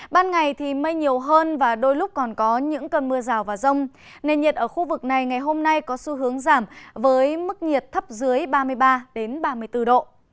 ban ngày thì mây nhiều hơn và đôi lúc còn có những cơn mưa rào và rông nền nhiệt ở khu vực này ngày hôm nay có xu hướng giảm với mức nhiệt thấp dưới ba mươi ba ba mươi bốn độ